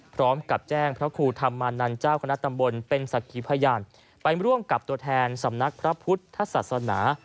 พร้อมกับแจ้งพระครูธรรมานันเจ้าคณะตำบลเป็นสักขีพยานไปร่วมกับตัวแทนสำนักพระพุทธศาสนา